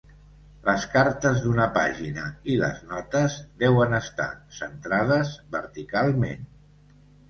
Les cartes d'una pàgina i les notes deuen estar centrades verticalment.